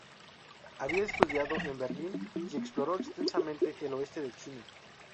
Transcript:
Había estudiado en Berlín; y exploró extensamente el oeste de China.